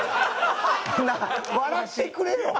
なあ笑ってくれよ！